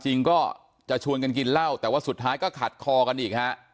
จริงก็จะชวนกันกินเหล้าแต่ว่าสุดท้ายก็ขัดคอกันอีกฮะ